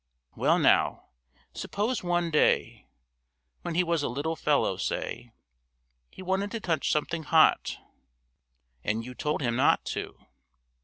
Well now, suppose one day, when he was a little fellow, say, he wanted to touch something hot, and you told him not to.